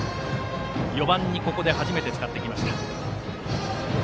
４番にここで初めて使ってきました。